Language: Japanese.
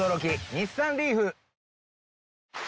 日産リーフ！